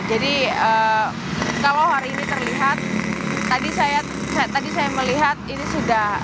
jadi kalau hari ini terlihat tadi saya melihat ini sudah